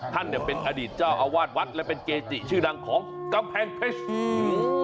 ท่านเนี่ยเป็นอดีตเจ้าอาวาสวัดและเป็นเกจิชื่อดังของกำแพงเพชร